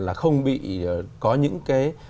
là không bị có những cái